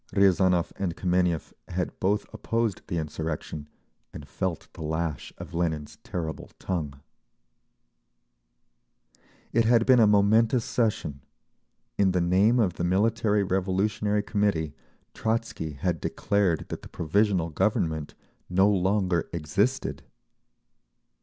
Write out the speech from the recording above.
Riazanov and Kameniev had both opposed the insurrection, and felt the lash of Lenin's terrible tongue…. It had been a momentous session. In the name of the Military Revolutionary Committee Trotzky had declared that the Provisional Government no longer existed.